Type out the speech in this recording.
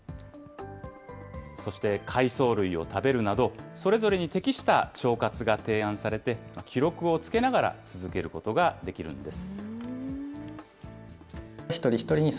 そして海藻類を食べるなど、それぞれに適した腸活が提案されて、記録をつけながら続けることができるんです。